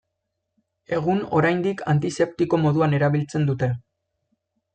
Egun, oraindik antiseptiko moduan erabiltzen dute.